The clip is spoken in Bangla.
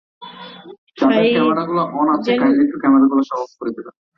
হাইজেনবার্গ পুরোটাই দেখেছেন।